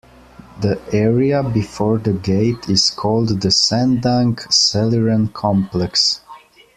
The area before the gate is called the Sendang Seliran complex.